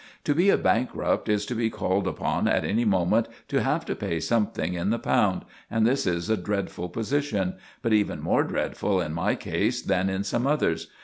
To be a bankrupt is to be called upon at any moment to have to pay something in the pound, and this is a dreadful position, but even more dreadful in my case than in some others.